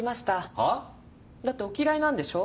は？だってお嫌いなんでしょ？